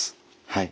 はい。